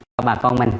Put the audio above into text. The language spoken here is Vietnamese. cho bà con mình